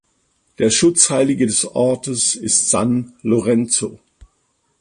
Der Schutzheilige des Ortes ist "San Lorenzo".